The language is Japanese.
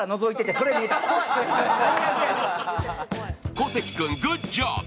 小関君、グッジョブ。